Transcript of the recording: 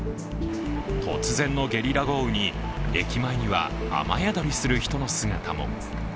突然のゲリラ豪雨に駅前には雨宿りする人の姿も。